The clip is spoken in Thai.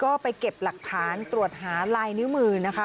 ก็ไปเก็บหลักฐานตรวจหาลายนิ้วมือนะคะ